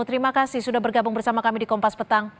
terima kasih sudah bergabung bersama kami di kompas petang